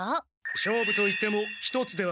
勝負といっても一つではない。